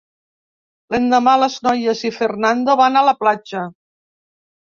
L'endemà, les noies i Fernando van a la platja.